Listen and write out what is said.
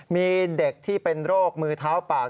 มีเด็กที่เป็นโรคมือเท้าปาก